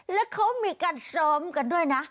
แล้วเขามีการซ้อมกันด้วยนะ